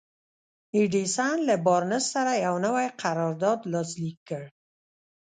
ايډېسن له بارنس سره يو نوی قرارداد لاسليک کړ.